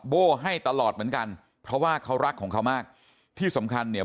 โบ้ให้ตลอดเหมือนกันเพราะว่าเขารักของเขามากที่สำคัญเนี่ย